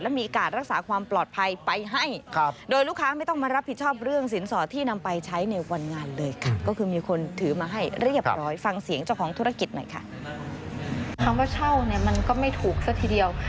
คำว่าเช่าเนี่ยมันก็ไม่ถูกซะทีเดียว